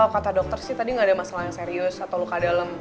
kata dokter sih tadi gaada masalah yang serius atau luka dalem